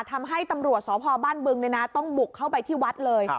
ทำให้ตำรวจสพบ้านบึงต้องบุกเข้าไปที่วัดเลย